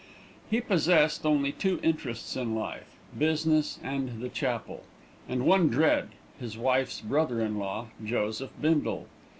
He possessed only two interests in life business and the chapel, and one dread his wife's brother in law, Joseph Bindle.